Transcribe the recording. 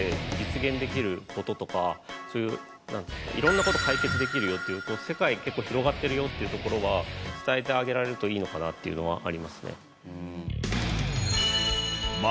そういう色んな事を解決できるよっていう世界結構広がってるよっていうところは伝えてあげられるといいのかなっていうのはありますね。